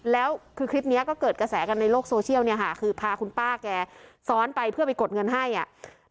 แล้วคือคลิปนี้ก็เกิดกระแสกันในโลกโซเชียลเนี่ยค่ะคือพาคุณป้าแกซ้อนไปเพื่อไปกดเงินให้อ่ะ